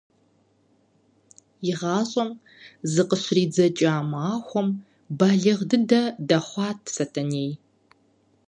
И гъащӀэм зыкъыщридзэкӀа махуэм балигъ дыдэ дэхъуат Сэтэней.